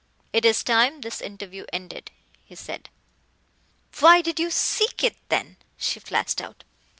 "It is time this interview ended," he said. "Why did you seek it then?" she flashed out.